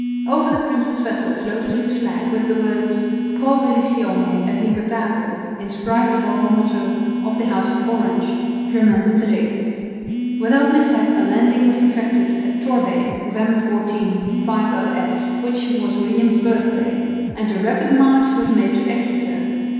Over the prince's vessel floated his flag with the words Pro Religione et Libertate inscribed above the motto of the House of Orange, Je maintiendray. Without mishap a landing was effected at Torbay, November 14 (5 o.s.), which was William's birthday, and a rapid march was made to Exeter.